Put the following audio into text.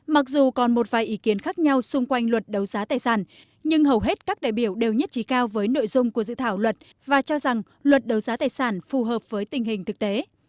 mặc dù còn một vài ý kiến khác nhau xung quanh luật đấu giá tài sản nhưng hầu hết các đại biểu đều nhất trí cao với nội dung của dự thảo luật và cho rằng luật đấu giá tài sản phù hợp với tình hình thực tế